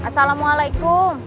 sekarang gue balik